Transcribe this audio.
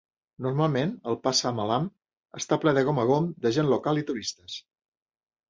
Normalment el "pasar malam" està ple de gom a gom de gent local i turistes.